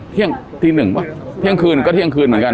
เที่ยงตีหนึ่งป่ะเที่ยงคืนก็เที่ยงคืนเหมือนกัน